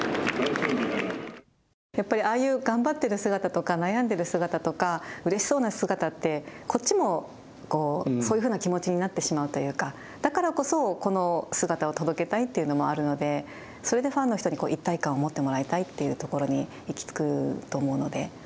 やっぱりああいう頑張ってる姿とか、悩んでる姿とかうれしそうな姿ってこっちもそういうふうな気持ちになってしまうというか、だからこそ、この姿を届けたいというのもあるのでそれでファンの人に一体感を持ってもらいたいというところに行き着くと思うので。